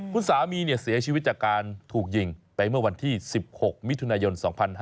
คุณสามีเสียชีวิตจากการถูกยิงไปเมื่อวันที่๑๖มิถุนายน๒๕๕๙